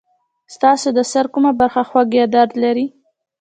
ستاسو د سر کومه برخه خوږ یا درد لري؟